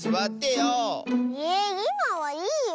いまはいいよ。